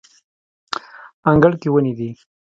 انګړ کې ونې دي